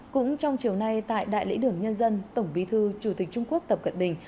cũng trong chiều nay tại đại lý đường nhân dân tổng bí thư chủ tịch trung quốc tập cận bình